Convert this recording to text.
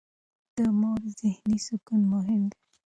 د مور ذهني سکون مهم دی.